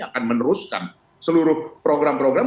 akan meneruskan seluruh program program